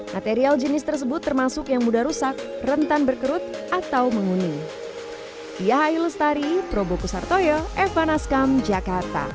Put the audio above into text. material jenis tersebut termasuk yang mudah rusak rentan berkerut atau menguning